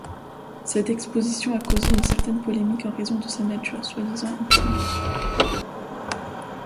Cette exposition a causé une certaine polémique en raison de sa nature soi-disant obscène.